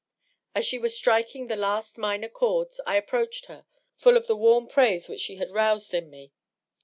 As she was striking the last minor chords I approached her, full of the warm praise which she had roused in me.